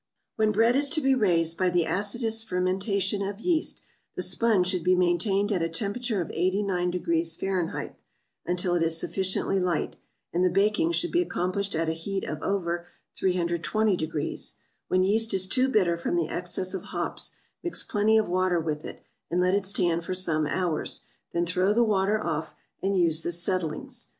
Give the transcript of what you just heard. When bread is to be raised by the acetous fermentation of yeast, the sponge should be maintained at a temperature of 89° Fahr. until it is sufficiently light, and the baking should be accomplished at a heat of over 320°. When yeast is too bitter from the excess of hops, mix plenty of water with it, and let it stand for some hours; then throw the water off, and use the settlings.